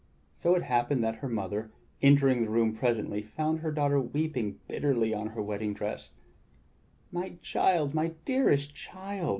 So it happened that her mother, entering the room presently, found her daughter weeping bitterly on her wedding day. "My child, my dearest child!"